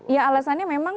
ya alasannya memang